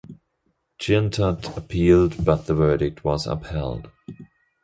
Jeantot appealed but the verdict was upheld.